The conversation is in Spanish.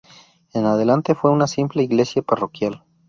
En adelante fue una simple iglesia parroquial.